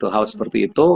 hal seperti itu